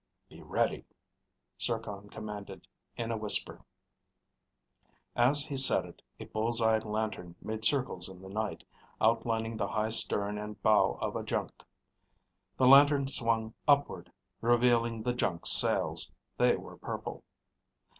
"Be ready," Zircon commanded in a whisper. As he said it, a bull's eye lantern made circles in the night, outlining the high stern and bow of a junk. The lantern swung upward, revealing the junk's sails. They were purple.